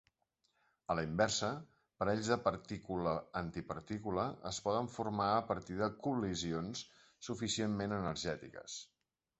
A la inversa, parells de partícula-antipartícula es poden formar a partir de col·lisions suficientment energètiques.